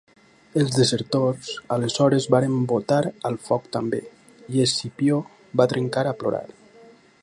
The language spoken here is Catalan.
Els desertors aleshores varen botar al foc també i Escipió va trencar a plorar.